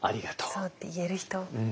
そうって言える人。